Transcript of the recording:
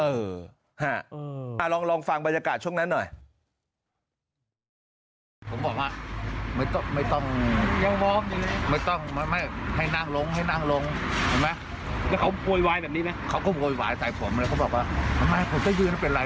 ลองฟังบรรยากาศช่วงนั้นหน่อย